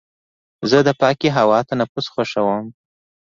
زه د پاکې هوا تنفس خوښوم.